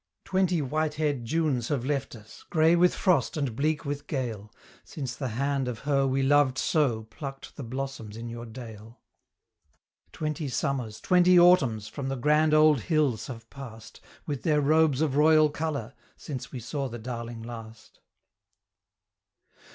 Twenty white haired Junes have left us grey with frost and bleak with gale Since the hand of her we loved so plucked the blossoms in your dale. Twenty summers, twenty autumns, from the grand old hills have passed, With their robes of royal colour, since we saw the darling last.